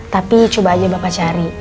tapi coba aja bapak cari